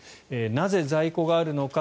なぜ在庫があるのか。